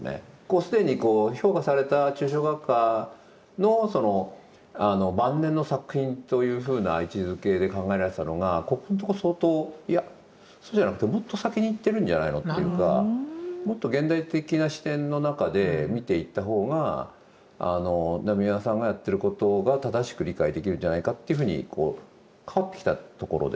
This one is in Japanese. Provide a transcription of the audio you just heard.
既に評価された抽象画家の晩年の作品というふうな位置づけで考えられてたのがここんとこ相当「いやそうじゃなくてもっと先にいってるんじゃないの」っていうかもっと現代的な視点の中で見ていった方が野見山さんがやってることが正しく理解できるんじゃないかっていうふうにこう変わってきたところですね。